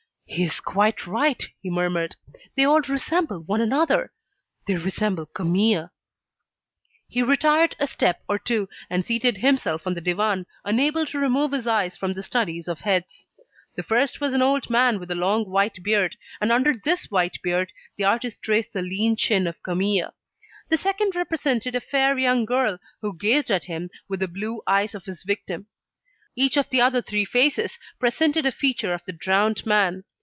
"He is quite right," he murmured, "they all resemble one another. They resemble Camille." He retired a step or two, and seated himself on the divan, unable to remove his eyes from the studies of heads. The first was an old man with a long white beard; and under this white beard, the artist traced the lean chin of Camille. The second represented a fair young girl, who gazed at him with the blue eyes of his victim. Each of the other three faces presented a feature of the drowned man.